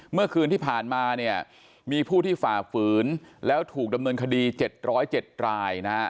เมื่อคืนที่ผ่านมาเนี่ยมีผู้ที่ฝ่าฝืนแล้วถูกดำเนินคดี๗๐๗รายนะฮะ